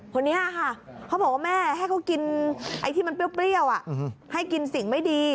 คนนี้ค่ะเขาบอกว่าแม่ให้เขากินไอ้ที่มันเปรี้ยวให้กินสิ่งไม่ดี